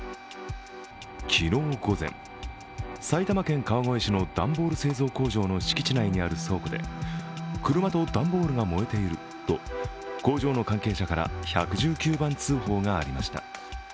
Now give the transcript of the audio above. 昨日午前、埼玉県川越市の段ボール製造工場の敷地内にある倉庫で車と段ボールが燃えていると工場の関係者から１１９番通報がありました。